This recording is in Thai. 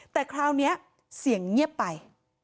แต่คราวนี้เสียงเงียบไป